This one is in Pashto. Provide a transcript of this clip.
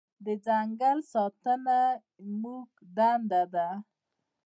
د ځنګل ساتنه زموږ دنده ده.